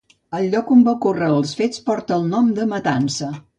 El lloc on va ocórrer els fets porta el nom de la Matança.